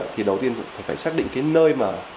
thì đầu tiên phải xác định cái nơi